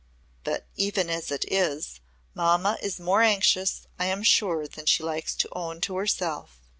"But even as it is, mamma is more anxious I am sure than she likes to own to herself.